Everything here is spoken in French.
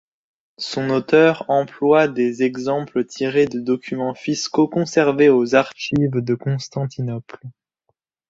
Son auteur emploie des exemples tirés de documents fiscaux conservés aux archives de Constantinople.